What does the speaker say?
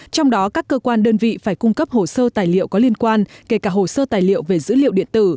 trong đó các cơ quan đơn vị phải cung cấp hồ sơ tài liệu có liên quan kể cả hồ sơ tài liệu về dữ liệu điện tử